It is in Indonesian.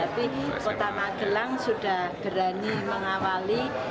tapi kota magelang sudah berani mengawali